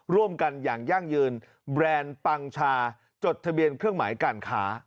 ร่วมกันอย่างยั่งยืนแบรนด์ปังชาจดทะเบียนเครื่องหมายการค้า